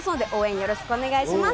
よろしくお願いします。